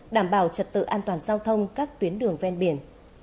đảm bảo trật tự an toàn giao thông các tuyến đường ven biển